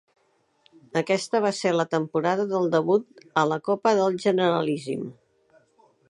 Aquesta va ser la temporada del debut a la Copa del Generalíssim.